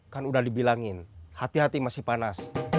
kan udah dibilangin hati hati masih panas